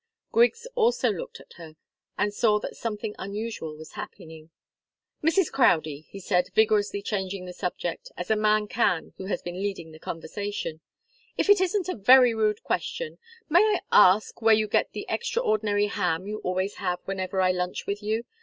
Griggs also looked at her, and saw that something unusual was happening. "Mrs. Crowdie," he said, vigorously changing the subject, as a man can who has been leading the conversation, "if it isn't a very rude question, may I ask where you get the extraordinary ham you always have whenever I lunch with you?